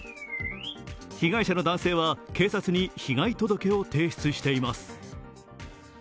被害者の男性は警察に被害届を提出しています。